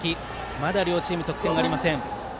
まだ両チーム得点がありません。